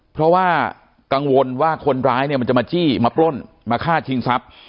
เพราะว่ากังวลว่าคนร้ายเนี่ยมันจะมาจี้มาปล้นมาฆ่าชิงทรัพย์